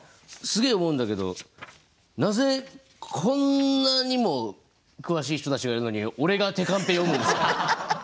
すげえ思うんだけどなぜこんなにも詳しい人たちがいるのに俺が手カンペ読むんですか？